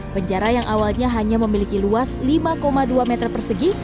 penjara yang awalnya hanya memiliki luas lima dua meter persegi